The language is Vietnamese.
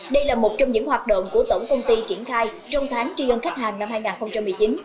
đây là một trong những hoạt động của tổng công ty triển khai trong tháng tri ân khách hàng năm hai nghìn một mươi chín